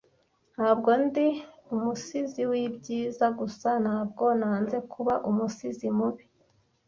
Ntabwo ndi umusizi w'ibyiza gusa; Ntabwo nanze kuba umusizi mubi.